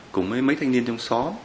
cùng mấy thanh niên trong xó